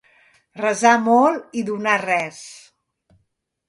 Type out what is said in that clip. Resar molt i donar res.